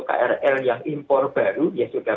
krl yang impor baru ya sudah